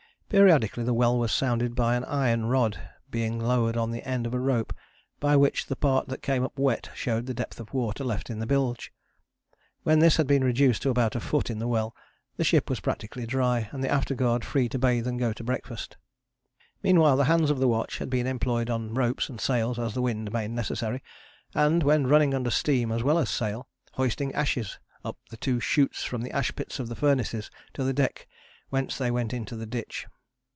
Periodically the well was sounded by an iron rod being lowered on the end of a rope, by which the part that came up wet showed the depth of water left in the bilge. When this had been reduced to about a foot in the well, the ship was practically dry, and the afterguard free to bathe and go to breakfast. Meanwhile the hands of the watch had been employed on ropes and sails as the wind made necessary, and, when running under steam as well as sail, hoisting ashes up the two shoots from the ash pits of the furnaces to the deck, whence they went into the ditch.